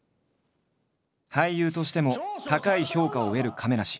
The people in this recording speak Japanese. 俳優としても高い評価を得る亀梨。